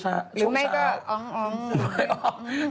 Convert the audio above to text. หรือไม่ก็อ๋อ